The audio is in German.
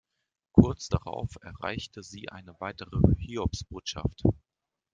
Kurz darauf erreichte sie eine weitere Hiobsbotschaft.